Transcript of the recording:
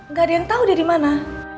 gak ada yang tau dia dimana